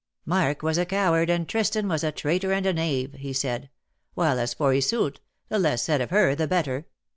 ^' Marc was a coward, and Tristan was a traitor and a knave/' he said. '^ While as for Iseult, the less said of her the better.